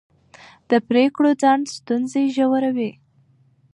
د پرېکړو ځنډ ستونزې ژوروي